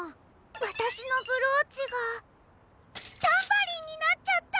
わたしのブローチがタンバリンになっちゃった！